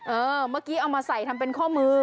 เมื่อกี้เอามาใส่ทำเป็นข้อมือ